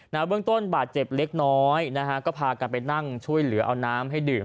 เบื้องต้นบาดเจ็บเล็กน้อยนะฮะก็พากันไปนั่งช่วยเหลือเอาน้ำให้ดื่ม